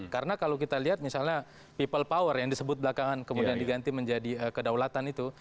karena kalau kita lihat misalnya people power yang disebut belakangan kemudian diganti menjadi kedaulatan itu